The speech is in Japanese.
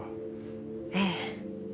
ええ。